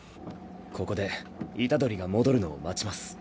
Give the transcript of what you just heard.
ここで虎杖が戻るのを待ちます。